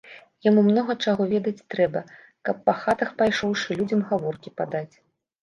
Яму многа чаго ведаць трэба, каб, па хатах пайшоўшы, людзям гаворкі паддаць.